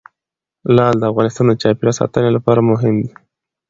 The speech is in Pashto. لعل د افغانستان د چاپیریال ساتنې لپاره مهم دي.